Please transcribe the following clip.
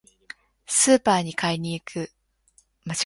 スーパーに買い物に行く。